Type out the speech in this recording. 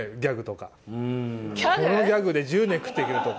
ギャグ⁉そのギャグで１０年食って行けるとか。